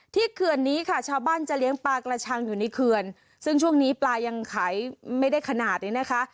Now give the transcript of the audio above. เขื่อนนี้ค่ะชาวบ้านจะเลี้ยงปลากระชังอยู่ในเขื่อนซึ่งช่วงนี้ปลายังขายไม่ได้ขนาดนี้นะคะ